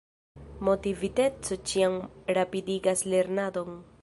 Motiviteco ĉiam rapidigas lernadon.